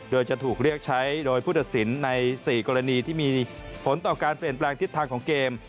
โดยจะถูกเรียกใช้โดยผู้ตัดสินใน๔กรณีที่มีผลต่อการเปลี่ยนแปลงทิศทางของเกม